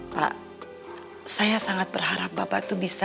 pak saya sangat berharap bapak itu bisa